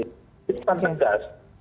itu kan tegas